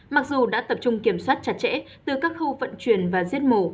mặc dù đã tập trung kiểm soát chặt chẽ từ các khâu vận chuyển và giết mổ